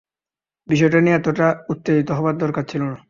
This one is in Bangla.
–বিষয়টা নিয়ে এতটা উত্তেজিত হবার দরকার ছিল না।